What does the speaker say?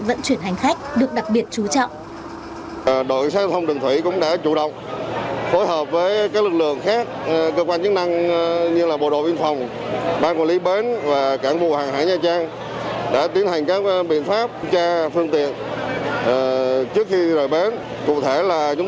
vận chuyển hành khách được đặc biệt chú trọng